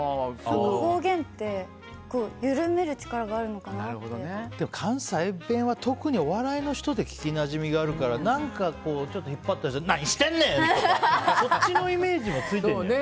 方言って緩める力が関西弁は特に、お笑いの人で聞きなじみがあるから引っ張ったりして何してんねん！とかそっちのイメージもついてるんじゃない？